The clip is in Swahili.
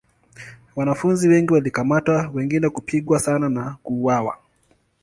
Wanafunzi wengi walikamatwa wengine kupigwa sana na kuuawa.